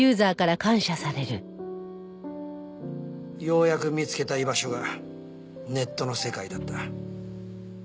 ようやく見つけた居場所がネットの世界だった。